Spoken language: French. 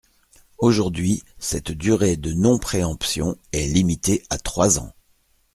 Aujourd’hui, cette durée de non-préemption est limitée à trois ans.